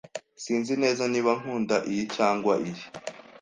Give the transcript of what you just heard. Sinzi neza niba nkunda iyi cyangwa iyi.